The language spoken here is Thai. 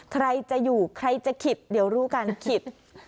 ใครจะอยู่ใครจะคิดเดี๋ยวรู้กันคิด